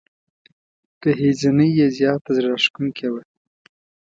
ګهیځنۍ یې زياته زړه راښکونکې وه.